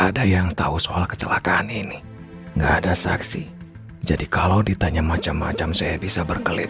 ada yang tahu soal kecelakaan ini enggak ada saksi jadi kalau ditanya macam macam saya bisa berkelit